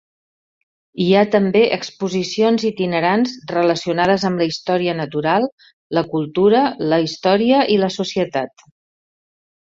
Hi ha també exposicions itinerants relacionades amb la història natural, la cultura, la història i la societat.